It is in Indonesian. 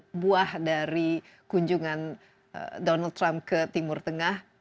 ini adalah buah dari kunjungan donald trump ke timur tengah